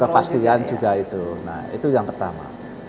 kepastian juga itu nah itu yang pertama